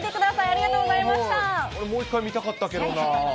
あれもう一回見たかったけどな。